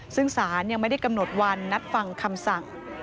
ซึ่งศาลยังไม่ได้กำหนดวันนัดฟังคำสั่ง